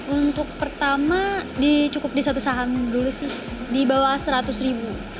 untuk pertama cukup di satu saham dulu sih di bawah seratus ribu